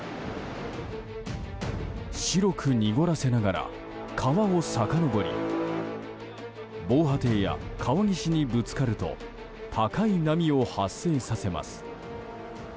白く濁らせながら川をさかのぼり防波堤や川岸にぶつかると高い波を発生させます。